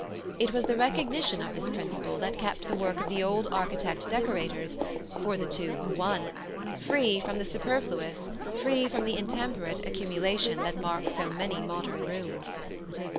It was the recognition of this principle that kept the work of the old architect decorators (for the two were one) free from the superfluous, free from the intemperate accumulation that marks so many modern rooms.